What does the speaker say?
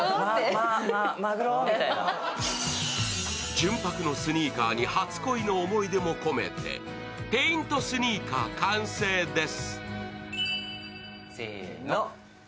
純白のスニーカーに初恋の思い出も込めてペイントスニーカー完成です。